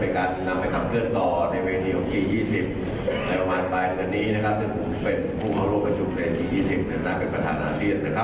ไปถูกความก้อนาศิษย์ซึ่งคุณประเทศไทยอย่างเดียว